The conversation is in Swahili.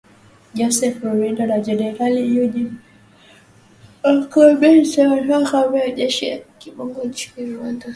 Joseph Rurindo na Jenerali Eugene Nkubito wanatoka kambi ya kijeshi ya Kibungo nchini Rwanda.